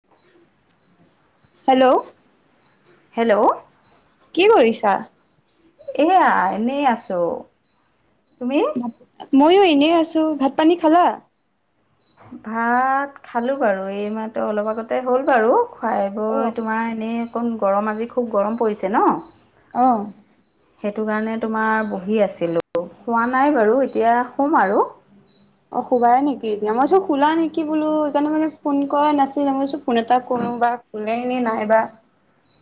[inaudible] Hello? Hello? কি কৰিছা? এইয়া এনেই আছো, তুমি? মইয়ো এনেই আছোঁ, ভাত পানী খালা? ভাত খালোঁ বাৰু এই মাহটো অলপ আগতে হ'ল বাৰু। খুৱাই বৈ অ'। তোমাৰ এনেই অকণ গৰম আজি খুব গৰম পৰিছে নহ? অ'। সেইটো কাৰণে তোমাৰ বহি আছিলোঁ হোৱা নাই বাৰু এতিয়া শম আৰু। অ', শুবাইে নেকি এতিয়া মই চ শুলা নেকি বোলো, সেইকাৰণে মানে ফোন কৰা নাছিলো মই ফোন এটা কৰো বা ওলেই নে নাইবা?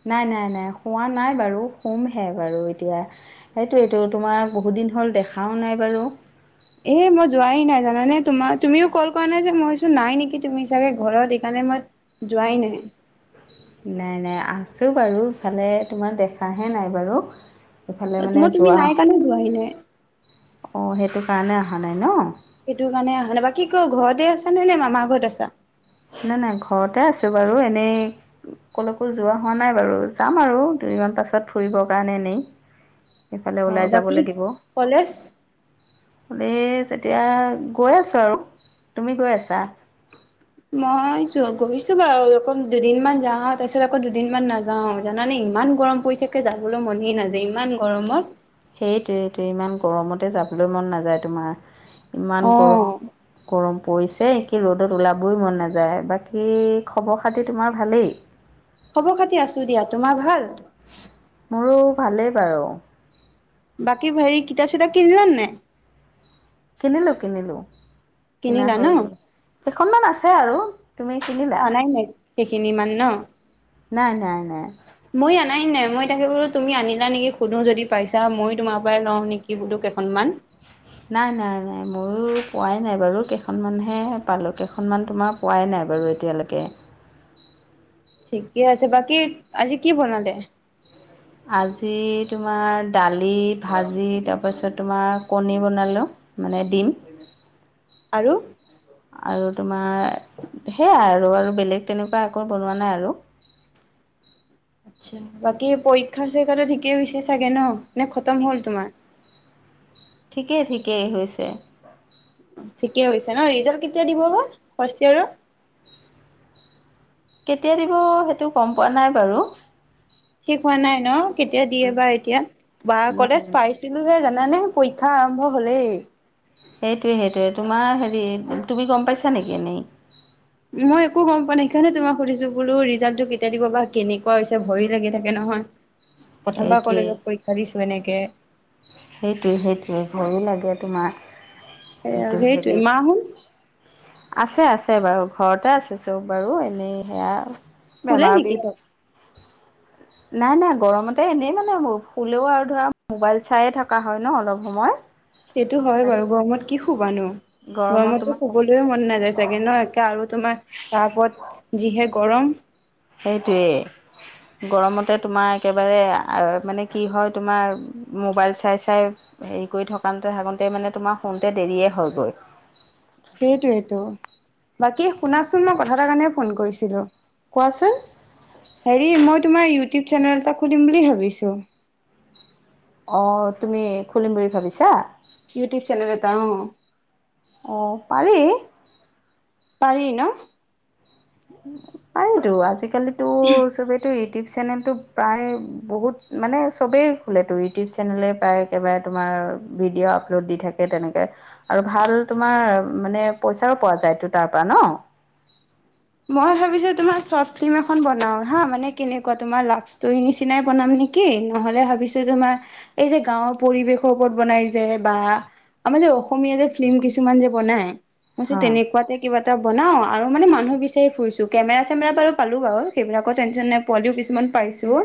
নাই, নাই, নাই, শুৱা নাই বাৰু। শুমহে বাৰু এতিয়া সেইটোৱেইতো, তোমাৰ বহুত দিন হ'ল দেখাও নাই বাৰু। এ মই যোৱাই নাই জানানে তোমাৰ তুমিও কল কৰা নাই যে মইছো নাই নেকি তুমি চাগে ঘৰত সেইকাৰণে মই যোৱাই নাই। নাই নাই আছোঁ বাৰু ভালে, তোমাক দেখাহে নাই বাৰু। এইফালে মানে মই তুমি যোৱা নাই কাৰণে যোৱাই নাই। অঁ সেইটো কাৰণে অহা নাই নহ? সেইটো কাৰণে অহা নাই বা কি ক ঘৰতে আছ নে নে মামাৰ ঘৰত আছা? নাই, নাই ঘৰতে আছোঁ বাৰু এনেই কলৈকো যোৱা হোৱা নাই বাৰু, যাম আৰু দুদিনমান পাছত ফুৰিবৰ কাৰণে এনেই। সেইফালে ওলাই অ', যাব বাকী লাগিব। কলেজ? [unintelligible] তেতিয়া গৈ আছোঁ আৰু, তুমি গৈ আছা? মই য গৈছো বাৰু, অকৌ দুদিনমান যাওঁ তাৰ পিছত আকৌ দুদিনমান নাযা যাওঁ জানানে ইমান গৰম পৰিছেকে যাবলৈ মন নাযায় ইমান গৰমত। সেইটোৱেটো, ইমান গৰমতে যাবলে মন নাযায় তোমাৰ ইমান অ গৰম গৰম পৰিছে কি ৰ'দত ওলাবই মন নাযায়, বাকী খবৰ-খাতি তোমাৰ ভালেই। খবৰ-খাতি আছো দিয়া, তোমাৰ ভাল? মোৰো ভালেই বাৰু। বাকী হেৰি কিতাপ-চিতাপ কিনিলা নাই? কিনিলো, কিনিলো। কিনা কিনিলা ন হৈ গ'ল, কেইখনমান আছে আৰু তুমি কিনিলা? আনাই নাই সেইখিনি মান নহ? নাই, নাই, নাই। মইও আনাই নাই, মই তাকে বোলো তুমি আনিলা নেকি সোধোঁ যদি পাইছা মইয়ো তোমাৰ পৰাই লওঁ নেকি বোলো কেইখনমান? [inaudible] নাই, নাই, নাই, মইও পোৱাই নাই বাৰু কেইখনমানহে পালোঁ কেইখনমান তোমাৰ পোৱাই নাই বাৰু এতিয়ালৈকে। ঠিকে আছে, বাকী আজি কি বনালে? আজি তোমাৰ দালি, ভাজি, তাৰপাছত তোমাৰ কণী বনালোঁ। মানে দিম। আৰু? আৰু তোমাৰ সেয়াই আৰু, আৰু বেলেগ তেনেকুৱা একো বনোৱা নাই আৰু। আচ্ছা, বাকী পৰীক্ষা-চৰীক্ষাটো ঠিকেই হৈছে চাগে নহ নে খতম ঠিক হ'ল তোমাৰ? ঠিকেই, ঠিকেই, হৈছে। ঠিকেই হৈছে নহ, ৰিজাল্ট কেতিয়া দিব বা ফাৰ্ষ্ট ইয়াৰৰ? কেতিয়া দিব সেইটো গম পোৱা নাই বাৰু। ঠিক হোৱা নাই নহ, কেতিয়া দিয়ে বা এতিয়া বা নাই কলেজ পাইছে [unintelligible] জানানে, পৰীক্ষা আৰম্ভ হলেই। সেইটোৱে সেইটোৱে তোমাৰ হেৰি তুমি গম পাইছা নেকি এনেই মই একো গম পোৱা নাই সেইকাৰণে তোমাক সুধিছো বোলো ৰিজাল্টটো কেতিয়া দিব বা কেনেকুৱা হৈছে ভয় লাগি থাকে নহয় প্ৰথমবাৰ সেইটোৱে কলেজত পৰীক্ষা দিছো এনেকে সেইটোৱে সেইটোৱে ভয়ো লাগে তোমাৰ এ সেইটো সেইটোৱে হেৰি মাহত আছে আছে বাৰু ঘৰতে আছে চব বাৰু এনেই সেয়া ফোুলাই বেমাৰ বি নেকি চব নাই নাই গৰমতে এনেই মানে ফুলেও আৰু ধৰা মোবাইল চায়ে থকা হয় ন অলপ সময় সেইটো হয় বাৰু গৰমত কি শুবানো গৰমত গৰমতো তোমাৰ শুবলৈয়ে মন নাযায়ছে চেগে ন একে আৰু তোমাৰ তাৰ ওৰত যিহে গৰম সেইটোৱেই গৰমতে তোমাৰ একেবাৰে মানে কি হয় তোমাৰ মোবাইল চাই চাই হেৰি কৰি থকাতে থাকোঁতে মানে তোমাৰ ফোনতে দেৰিয়ে হয়গৈ সেইটোেইটো বাকী শুনাচোন মই কথা এাৰ কাৰণে ফোন কৰিছিলো কোৱাচোন হেৰি মই তোমাৰ ইউটিউব চেনেল এটা খুলিম বুলি ভাবিছোঁ অঁ তুমি খুলিম বুলি ভাবিছা ইউটউব চোনল এটা অঁ অঁ পাৰি পাৰি ন পাৰতো আজিকালিতো চবেতো ইউটিউব চেনেলটো প্ৰায় বহুত মানে চবেই খোলেেতো ইউটিউব চেনেলে প্ৰায় একেবাৰে তোমাৰ ভিডিঅ' আপলোড দি থাকে তেনেকৈ আৰু ভাল তোমাৰ মানে পইচাো পোৱা যায়টো তাৰপৰা ন মই ভাবিছো তোমাৰ চৰ্ট ফিল্ম এখন বনাও হা মানে কেনেকুৱা তমাৰ লাভ ষ্টৰ নিচিনাই বনাম নেকি কি নহলে ভাবিছো তোমাৰ এই যে গাঁৱৰ পৰিৱেশৰ ওপৰত বনাই যায় বা আমাৰ যে অসমীয়া যে ফিল্ম কিছুমান যে বনাই মইছো হয় তেনেকুৱাতে কিবা এটা বনাওঁ আৰু মানে মানুহ বিেি চছেফ হৈছো কেমেৰা চেমেৰা বাৰু পালো বাৰু সেইবিলাকৰ টেনচন নপোৱালিও কিছুমান পাইছো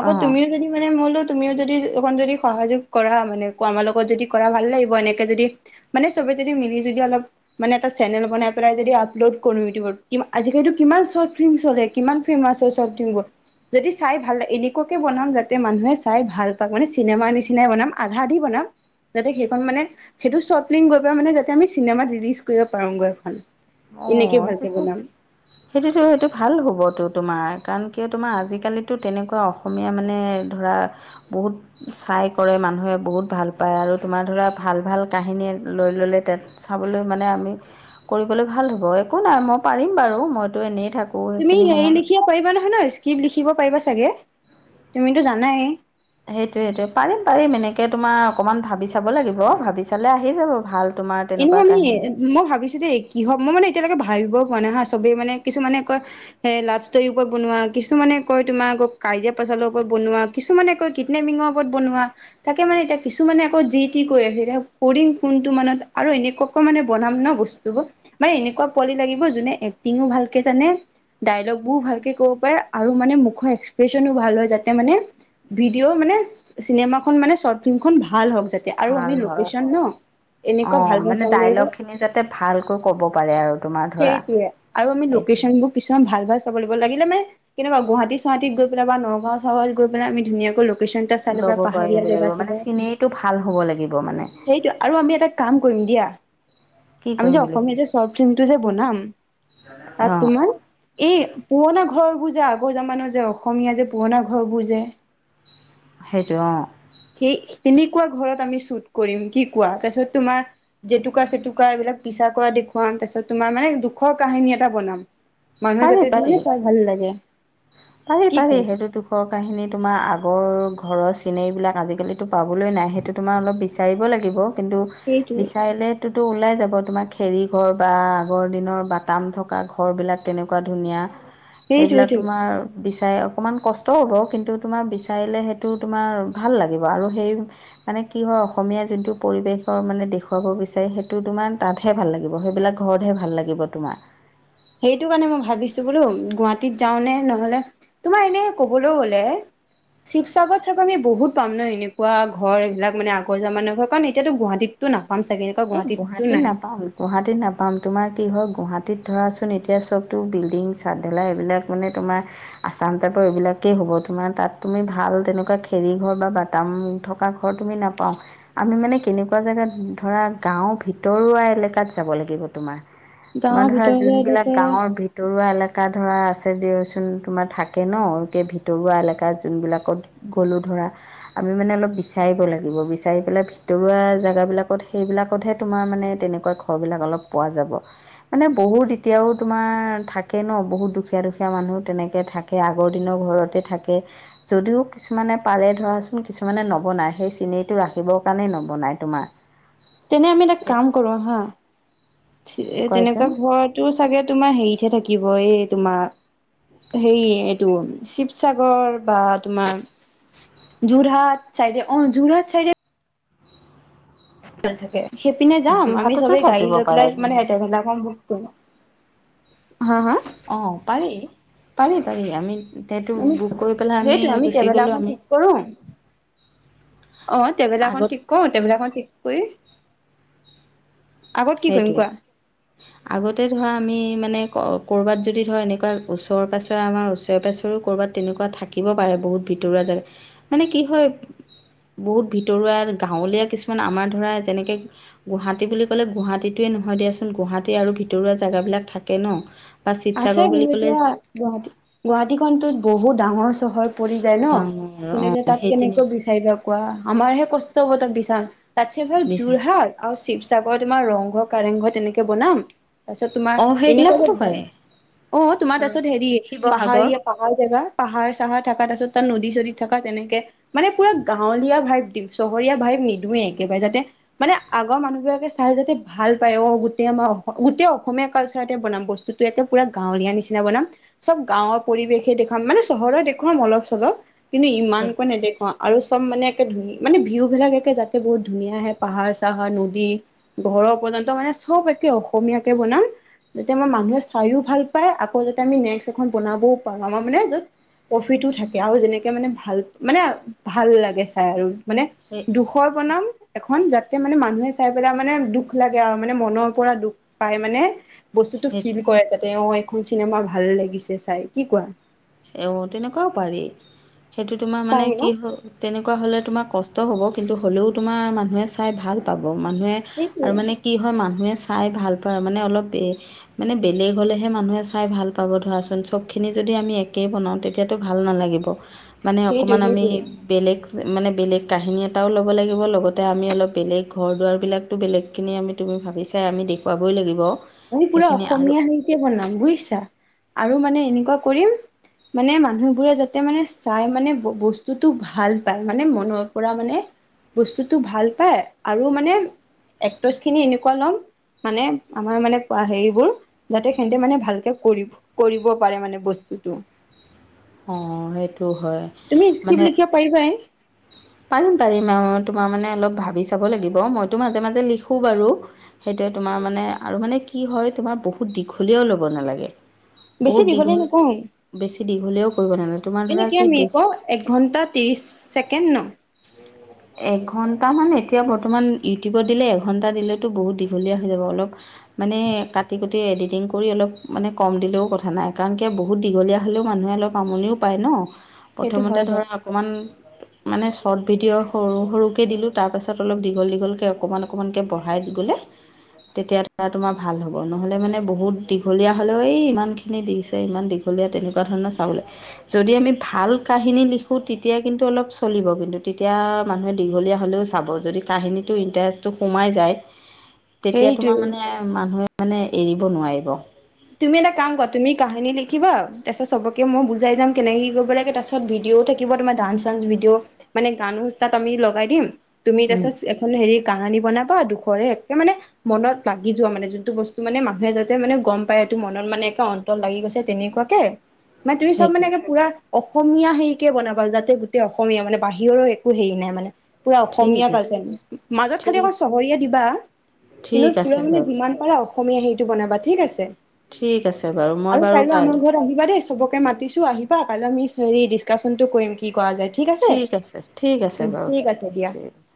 আকৌ অ তুমিও যদি মানে মইলো তুমিও যদি অণ যদি সহযোগ কৰা মানে আমাৰ লগত যদি কৰা ভাল লাগিব এনেকে যদি মানে চবে যদি মিলি যদি অলপ মানে এটা চেনেল বনাই পেলাই যদি আপলোড কৰো ইউিউব কি আজিকালিতো কিমান চৰ্ট ফিল্ম চলে কিমান ফেমাচ হয় চৰ্ট ফিলবোৰ যদি চাই ভাল এনেকুৱাকে বনাম যাতে মানুহে চাই ভাল পায় মানে চিনেমা নিচিনাই বনাম আধা দি বনাম যাতে সেইখন মানে সেইটো শ্বৰ্ট লিংক গৈ পেলাই মানে যাতে আমি চিনেমাত ৰিলিজ কৰিব পাৰোঁ গৈখন অ সেইটোতো উ [inaudible] সেইটোতো সেইটো ভাল হ'বতো তোমাৰ কাৰণ কিয় তোমাৰ আজিকালো তেনেকুৱা অসমীয়া মানে ধৰা বহুত চাই কৰে মানুহে বহুত ভাল পায় আৰু তোমাৰ ধৰা ভাল ভাল কাহিনীয়ে লৈ ল'লে তাত চাবলৈ মানে আমি কৰিবলৈ ভাল হ'ব একো নাই মই পাৰিম বাৰু মইতো এনেই থাকোঁ তুমি সেইখিনি হেৰি সময় লিখিব পাৰিবা নহয় ন স্ক্ৰিপ্ট লিখিব পাৰিবা চাগে তুমিতো জানাই সেইটোৱেইটোৱে পাৰিম পাৰিম এনেকৈ তোমাৰ অকণমান ভাবি চাব লাগিব ভাবি চালে আহি যাব ভাল তোমাৰ এনেই তেনেকুৱা আমি কাহিনী মই ভাবিছো দেই কি হব মই মানে এতিয়ালৈকে ভাবিবও পোৱা নাই হা চবেই মানে কিছুমানানে সেই লাভ ষ্টৰ ওপৰত বনোৱা কিছুমানে কয় তোমাৰ আকৌ কাজিয়া পচলৰ ওপৰত বনোৱা কিছুমানে কৈ কটনেমিঙৰ ওপৰত বনোৱা তাকে মানে এতিয়া কিছুমানে আকৌ যি টি কৈ আহ এতিয়া কৰি ফোনটো মানে আৰু এনেকুৱাকৈ মানে বনাম ন বস্তুবোৰ মান এনেকুৱা পোৱালি লাগিব যোনে এক্টিঙো ভালকে জানে ডায়লগ বোৰ ভালকে ক'ব পাৰে আৰু মানে মুখৰ এক্সপ্ৰেচনো ভাল হয় যাতে মানে ভিডিঅ' মানে চিনেমা খ মানে চৰ্ট ফিল্ম খন ভাল হওঁক যাতে আৰু আমি লোকেশ্যন ন এনে অ', মানে ডাইল'গখিনি যাতে ভালকৈ ক'ব পাৰে আৰু তোমাৰ ধৰা সেইটোৱে আৰু আমি সেইটো। লোকেশ্যন বোৰ কিছুমান ভাল, ভাল চাব লাগিব লাগিলে মানে [unintelligible] গুৱাহাটী, গুৱাহীত গৈ পেলাই বা নগাঁও চগাওঁত গৈ পেলাই আমি ধুনীয়াকৈ ল কেশ্যন এটা চাই লৈ ল'ব পাহাৰীয়া পাৰিব জেগা লাগিব মানে চেগা, চিনেৰীটো ভাল হ'ব লাগিব মানে সেইটোৱে আৰু আমি এটা কাম কৰিম দিয়া! কি আমি যে কৰিম বুলি অসমীয়া যে ভাবিছে চৰ্ত ফিল্মটো যে বনাম, তাত অঁ তোমাৰ এই পুৰণা ঘৰবোৰ আগৰ জামানাৰ যে অসমীয়া যে পুৰণা ঘৰবোৰ যে [inaudible] সেইটোৱে অ'। সেই তেনেকুৱা ঘৰত আমি শ্বুট কৰিম, কি কোৱা? তাৰপিছত তোমাৰ জেতুকা চেতুকা এইবিলাক পিছা কৰা দেখুৱাম, তাৰপিছত তোমাৰ মানে দুখৰ কাহিনী এটা বনাম। মানুহে যাতে পাৰি এইটো পাৰি মানে চাই ভাল লাগে। পাৰি, কি পাৰি কোৱা সেইটোৱে টো। খৰ কাহিনী তোমাৰ আগৰ ঘৰৰ চিনেৰিবিলাক আজিকালিতো পাবলৈ নাই, সেইটো তোমাৰ অলপ বেছি বিচাৰিব লাগিব, কিন্তু সেইটোৱে বিচাৰিলে তো ওলাই যাব তোমাৰ খেৰী ঘৰ বা আগৰ দিনৰ বাটাম থকা ঘৰবিলাক তেনেকুৱা ধুনীয়া। সেইবিলাক সেইটোৱেইটো তোমাৰ বিচাৰে অকণমান কষ্ট হ'ব, কিন্তু তোমাৰ বিচাৰিলে সেইটো তোমাৰ ভাল লাগিব আৰু সেই মানে কি হয়, অসমীয়া যোনটো পৰিৱেশৰ মানে দেখুৱাব বিচাৰে সেইটো তোমাৰ তাত হে হে ভাল লাগিব সেইবিলাক ঘৰতহে ভাল লাগিব তোমাৰ। সেইটো কাৰণে মই ভাবিছোঁ বোলো গুৱাহাটীত যাওঁনে নহ'লে তোমাৰ এনে ক'বলৈ গ'লে শিৱসাগৰত চাগৈ আমি বহুত পাম ন এনেকুৱা ঘৰ এইবিলাক মান আগৰ জামানাৰ ঘৰ, কাৰণ এতিয়াতো গুৱাহাটীত তো নাপাম চাগে! এনেকুৱা এ, গুৱাহাটীততো গুৱাহাটীত নাই নাপাম। গুৱাহাটীত নাপাম তোমাৰ কি হয়, গুৱাহাটীত ধৰাচোন এতিয়া চবতো বিল্ডিং চাদঢালাই এইবিলাক মানে তোমাৰ আচাম টাইপৰ এইবিলাকেই হ'ব। তোমাৰ তাত তুমি ভাল তেনেকুৱা খেৰীঘৰ বা বাটাম থ থকা ঘৰ তুমি নাপাওঁ, আমি মানে কেনেকুৱা জেগাত ধৰা গাঁওৰ ভিতৰুৱা এলেকাত যাব লাগিব তোমাৰ, গাঁৱৰ তোমাৰ ধৰা ভিতৰুৱা যোনবিলাক এলেকা গাঁৱৰ ভি ভিতৰুৱা এলেকা ধৰা আছে দিয়চোন তোমাৰ থাকে ন একে ভিতৰুৱা এলেকা যোনবিলাকত গ'লোঁ ধৰা। আমি মানে অলপ বিচাৰিব লাগিব, বিচাৰি পেলাই ভিতৰুৱা জেগাবিলাকত সেইবিলাক [unintelligible] তোমাৰ মানে তেনেকুৱা ঘৰবিলাক অলপ পোৱা যাব। মানে বহুত এতিয়াও তোমাৰ থাকে ন' বহুত দুখীয়া, দুখীয়া মানুহ তেনেকে থা কে আগৰ দিনৰ ঘৰতে থাকে যদিও কিছুমানে পাৰে ধৰাচোন কিছুমানে নবনায়, সেই চিনেৰিটো ৰাখিবৰ কাৰণেই নবনায় তোমাৰ। তেনে আমি এটা কাম কৰোঁ আহা এ, কোৱাচোন তেনেকুৱা ঘৰত তোৰ চাগে তোমাৰ হেৰিতহে থাকিব এই তোমাৰ হেৰি এইটো শিৱসাগৰ বা তোমাৰ যোৰহাট চাইডে অ', যোৰহাট চাইডে থাকে, সেইপিনে যাম আমি যোৰহাটতো চবে গাড়ী থাকিব লৈ পাৰে পেলাই মানে যোৰহাট [unintelligible] হা'! হা'! অ', পাৰি, পাৰি, পাৰি আমি সেইটো আমি বুক কৰি পেলাই সেইটোৱে আমি গুচি গ'লোঁ ট্ৰেভেলাৰখন আমি ঠিক কৰোঁ অ', আগত ট্ৰেভেলাৰখন ঠিক কৰোঁ ট্ৰেভেলাৰখন ঠিক কৰি আগত কি কৰিম সেইটোৱেই। কোৱা [inaudible] আগতে ধৰা আমি মানে ক'ৰ-ক'ৰবাত যদি ধৰা এনেকুৱা ওচৰেৰ পাছৰে আমাৰ ওচৰে পাজৰেও ক'ৰবাত তেনেকুৱা থাকিব পাৰে বহুত ভিতৰুৱা জেগা, মানে কি হয় বহুত ভিতৰুৱা গাঁৱলীয়া কিছুমান আমাৰ ধৰা যেনেকৈ গুৱাহাটী বুলি ক'লে গুৱাহাটীটোৱে নহয় দিয়াচোন গুৱাহাটী আৰু ভিতৰুৱা জেগাবিলাক থাকে ন বা আছে শিৱসাগৰ বুলি বলু ক'লে এতিয়া গুৱাহাটী গুৱাহাটী খনটো বহুত ডাঙৰ চহৰ পৰি যায় ন ডাঙৰ কিন্তু এতিয়া অঁ তাত সেই তেনে কেনেকৈ চাইিবা কোৱা আমাৰহে কষ্ট হ'ব তাক বিচাল তাতছে ভাল যোৰহাট আৰু শিৱসাগৰ তোমাৰ ৰংঘৰ কাৰেংঘৰ তেনেকে বনাম তাৰপিছত তোমাৰ অঁ এনেকুৱা সেইবিলাকতো যে ভাল পাৰে অ তোমাৰ তাৰিছত হেৰি শিৱসাগৰ পাহাৰীয়া পাৰ জেগা পাহাৰ চাহাৰ থকা তাছত তাত নদী চদিত থকা তেনেকে মানে পুৰা গাঁৱলীয়া ভাইপ দিওঁ চহৰীয়া ভাইপ নিদওঁয়ে একেবাৰে যাতে মানে আগৰ মানুহ বিলাকে চাই যাতে ভাল পায় অ গোটেই আমাৰ গোটেই অসমীয়া কালচাৰতে বনাম বস্তু তই ইয়াতে পুৰা গাঁৱলীয়া নিচিনা বনাম চব গাঁৱৰ পৰিৱেশে দেখুৱাম মানে চহৰৰত দেখুৱাম অলপ চলপ কিন্তু সেই ইমানকৈ নেদেখুৱাম অ আৰু চব মানে একে ধু মানে ভিউ বিলাক একে যাতে বহুত ধুনীয়া আহে পাহাৰ চাহাৰ নদী ঘৰৰ পৰ্যন্ত মানে চব একে অসমীয়াকে বনাওঁ যেতিয়া মই মানুহে খায়ো ভাল পায় আকৌ যাতে আমি নেক্সট এখন বনাবও পাৰোঁ আমাৰ মানে য'ত প্ৰফিটো থাকে আৰু যেনেকে মানে ভাল মানে ভাল লাগে চাই আৰু মানে সেই দুখ খৰ বনাও এখন যাতে মানে মানুহে চাই পেলাই মানে দুখ লাগে আৰু মানে মনৰ পৰা দুখ পাই মানে বস্তুতটো ফিল সেইটো কৰে তাতে এখন চিনেমা ভাল লাগিছে চাই কি কোৱা অ তেনেকুৱাও পাৰি সেইটো তোমাৰ মানে পাৰি ন? কি হ' তেনেকুৱা হ'লে তোমাৰ কষ্ট হ'ব কিন্তু হ'লেও তোমাৰ মানুহে চাই ভাল পাব মানুহে সেইটোৱে আৰু মানে কি হয় মানুহে চাই ভাল পায় মানে অলপ এ মানে বেলেগ হ'লেহে মানুহে চাই ভাল পাব ধৰাচোন চবখিনি যদি আমি একেই বনাওঁ তেতিয়াতো ভাল নালাগিব মানে অকণমান সেইটোৱে আমি সেইটোৱে বেলেগ মানে বেলেগ কাহিনী এটাও ল'ব লাগিব লগতে আমি অলপ বেলেগ ঘৰ দুৱাৰবিলাকতো বেলেগ সেইখিনি আমি তুমি ভাবি চাই আমি দেখুৱাবই লাগিব মি পুৰা সেইখিনি আৰু অসমীয়া হেৰিতে বনাম বুজিছা আৰু মানে এনেকুৱা কৰিম মানে মানুহবোৰে যাতে মানে চাই মানে বস্তুতটো ভাল পায় মানে মনৰ পৰা মানে বস্তুটো ভাল পায় আৰু মানে এক্টচ খিনি এনেকুৱা লম মানে আমাৰ মানে হেবোৰ যাতে সেহতে মানে ভালকে কৰিব কৰিব পাৰে মানে বস্তুতটো অঁ সেইটো হয় তুমি্ক্ৰিপ্ মানে লিখা পাৰিবাই পাৰিম পাৰিম আৰু তোমাৰ মানে অলপ ভাবি চাব লাগিব মইতো মাজে মাজে লিখোঁ বাৰু সেইটোৱে তোমাৰ মানে আৰু মানে কি হয় তোমাৰ বহুত দীঘলীয়াও ল'ব নালাগে বেছি বহুত দীঘলে দীঘল নকওঁ বেছি দীঘলেও কৰিব নালাগে তোমাৰ এনে ধৰা কিমান কি মিনিট বেছ কওঁ এক ঘণ্টা ত্ৰিছ ছেকেণ্ড ন। এঘণ্টামান এতিয়া বৰ্তমান ইউটিউবত দিলে এঘণ্টা দিলেতো বহুত দীঘলীয়া হৈ যাব অলপ। মানে কাটি কুটি এডিটিং কৰি অলপ মানে কম দিলেও কথা নাই কাৰণ কিয় বহুত দীঘলীয়া হ'লেও মানুহে অলপ। বামুনিও পায় ন সেইটো হয় প্ৰথমতে বাৰু ধৰা অকণমান মানে চ্বৰ্ট ভিডিঅ'। সৰু সৰুকৈ দিলোঁ তাৰপাছত অলপ দীঘল দীঘলকৈ অকণমান অকণমানকৈ বঢ়াই দি গ'লে। তেতিয়া তোমাৰ ভাল হ'ব নহ'লে মানে বহুত দীঘলীয়া হ'লেও এই ইমান খিনি দিছে ইমান দীঘলীয়া তেনেকুৱা ধৰণৰ চাবলে। যদি আমি ভাল কাহিনী লিখো তেতিয়া কিন্তু অলপ চলিব কিন্তু তেতিয়া। মানুহে দীঘলীয়া হ'লেও চাব যদি কাহিনীটোৰ ইণ্টাৰেষ্টটো সোমাই যায়। তেতিয়া তোমাৰ সেইটোৱে মানে মানুহে মানে এৰিব নোৱাৰিব। তুমি এটা কাম ক তুমি কাহিনী লি থাকিবা তাপিছত চবকে মই বুজাই যাম কেনেকৈ কি কৰিব লাগ তপিছত ভিডিঅ' থাকিব তোমাৰ ডান্স চানস ভিডিঅ'। মানে গানো তাত আমি লগাই দিম তুমি উম, তাৰপিছত। খন হেৰি কাঙানী বনাবা দুখৰে একে মানে। মনত লাগি যোৱা মানে যোনটো বস্তু মানে মানুহে যাতে মানে গম প তোৰ মনত মানে একে অন্তৰ লাগি গৈছে তেনেকুৱাকে মানে তুমি চব মানে সেইটোৱে পুৰা। অসমীয়া হেৰিকে বনাবা যাতে গোটেই অসমীয়া মানে বাহিৰৰ একো হেৰি নাই মানে। পুৰা ঠিক অসমীয়া আছে কজে মাজত খালি ঠিক আকৌ চহৰয়ে দিবা কিন্তু ঠিক পুৰা আছে মানে বাৰু যিমান পাৰা অসমীয়া হেৰিটো বনাবা ঠিক আছে। ঠিক আছে বাৰু মই আৰু বাৰু আমাৰ কাইলৈ। আহিবা দেই চবকে মাতিছো আহিবা কাইলৈ আমি হেৰি ডিছকাশচনটো কৰিম। কি কৰা যায় ঠিক আছে ঠিক আছে বাৰু ঠিক আছে দিয়া। ঠিক আছে